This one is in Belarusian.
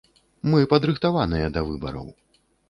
Мы падрыхтаваныя да выбараў.